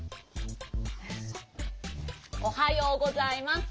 おはようございます。